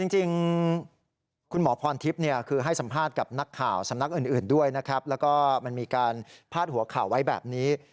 จริงคุณหมอพรทิพย์คือให้สัมภาษณ์กับนักข่าวสำนักอื่นด้วยนะครับแล้วก็มันมีการพาดหัวข่าวไว้แบบนี้